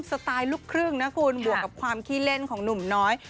สไตล์ลูกครึ่งนะคุณบวกกับความขี้เล่นของหนุ่มน้อย